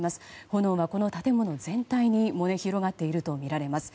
炎はこの建物全体に燃え広がっているとみられます。